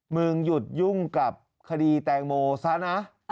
มึงหยุดยุ่งกับคดีแตงโมซะนะ